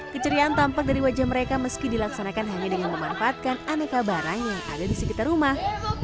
keceriaan tampak dari wajah mereka meski dilaksanakan hanya dengan memanfaatkan aneka barang yang ada di sekitar rumah